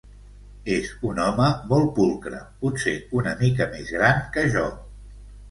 És un home molt pulcre, potser una mica més gran que jo.